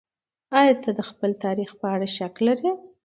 ايا ته د خپل تاريخ په اړه شک لرې؟